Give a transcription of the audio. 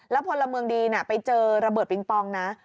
พลเมืองดีไปเจอระเบิดปิงปองนะ